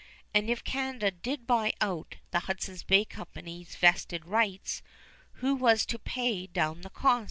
And if Canada did buy out the Hudson's Bay Company's vested rights, who was to pay down the cost?